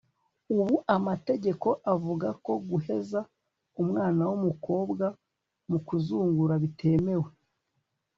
ubu amategeko avuga ko guheza umwana w'umukobwa mu kuzungura bitemewe